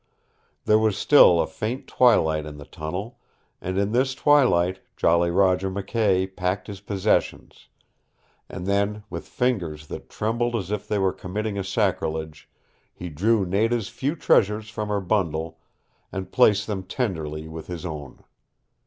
There was still a faint twilight in the tunnel, and in this twilight Jolly Roger McKay packed his possessions; and then, with fingers that trembled as if they were committing a sacrilege, he drew Nada's few treasures from her bundle and placed them tenderly with his own.